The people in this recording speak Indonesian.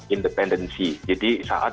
independensi jadi saat